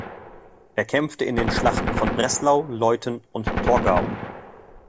Er kämpfte in den Schlachten von Breslau, Leuthen und Torgau.